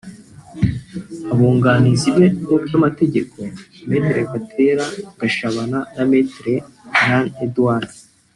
abunganizi be mu by’amategeko Me Gatera Gashabana na Me Lan Edwards